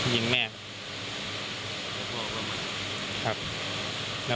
ยิงแม่